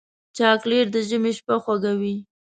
چاکلېټ د ژمي شپه خوږوي.